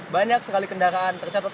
banyak sekali kendaraan tercatat